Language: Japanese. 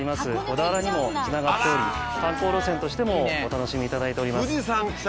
小田原にもつながっており観光路線としてもお楽しみいただいております。